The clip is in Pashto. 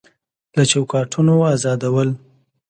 له چوکاټونو ازادول